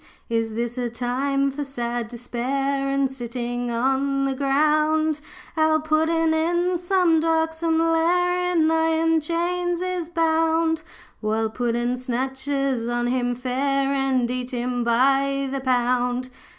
Is this a time for sad despair And sitting on the ground? 'Our Puddin' in some darksome lair In iron chains is bound, While puddin' snatchers on him fare, And eat him by the pound.